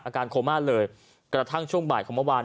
โคม่าเลยกระทั่งช่วงบ่ายของเมื่อวาน